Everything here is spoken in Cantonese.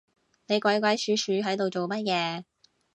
你鬼鬼鼠鼠係度做乜嘢